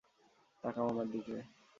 তাকাও আমার দিকে!